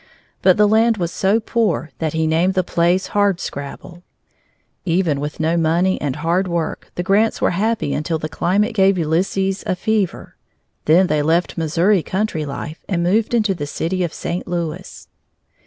But the land was so poor that he named the place Hardscrabble. Even with no money and hard work, the Grants were happy until the climate gave Ulysses a fever; then they left Missouri country life and moved into the city of St. Louis.